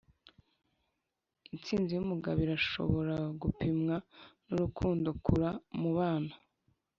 intsinzi yumugabo irashobora gupimwa nurukundo kura mubana ,